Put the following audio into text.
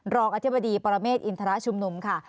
อธิบดีปรเมฆอินทรชุมนุมค่ะ